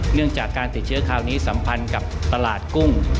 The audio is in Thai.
เรื่องจากการติดเชื้อคราวนี้สัมพันธ์กับตลาดกุ้ง